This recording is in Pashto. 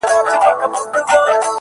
هغې د ژوند د ماهيت خبره پټه ساتل!